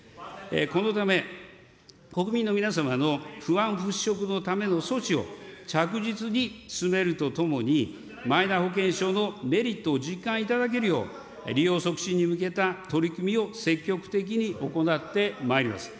このため、国民の皆様の不安払拭のための措置を着実に進めるとともに、マイナ保険証のメリットを実感いただけるよう、利用促進に向けた取り組みを積極的に行ってまいります。